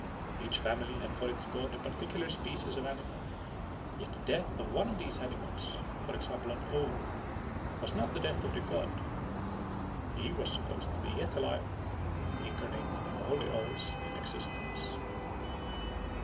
Each family had for its god a particular species of animal; yet the death of one of these animals, for example an owl, was not the death of the god, "he was supposed to be yet alive, and incarnate in all the owls in existence."